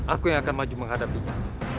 aku yang akan maju menghadapinya